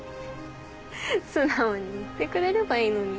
素直に言ってくれればいいのに。